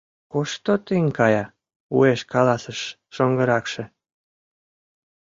«Кушто тыйын кая?» — уэш каласыш шоҥгыракше.